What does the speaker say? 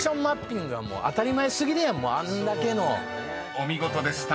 ［お見事でした。